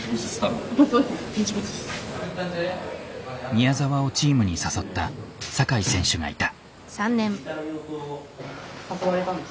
宮澤をチームに誘った酒井選手がいた。